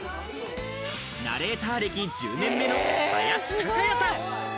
ナレーター歴１０年目の林高也さん。